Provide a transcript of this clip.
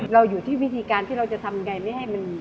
อยู่ที่วิธีการที่เราจะทำยังไงไม่ให้มัน